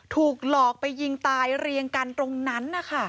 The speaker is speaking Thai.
ถูกหลอกไปยิงตายเรียงกันตรงนั้นนะคะ